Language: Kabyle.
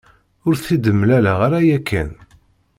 Ur t-id-mlaleɣ ara yakan.